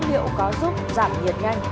liệu có giúp giảm nhiệt nhanh